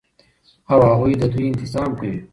او هغوى ددوى انتظام كوي